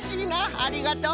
ありがとう！